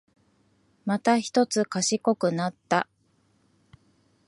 またひとつ賢くなった